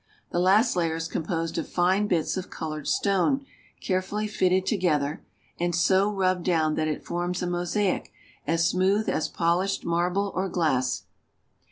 The last layer is composed of fine bits of colored stone carefully fitted together, and so rubbed down that it forms a mosaic as smooth as pol ished marble or glass.